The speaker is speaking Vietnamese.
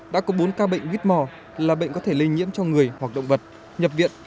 đã có bốn ca bệnh quýt mò là bệnh có thể lây nhiễm cho người hoặc động vật nhập viện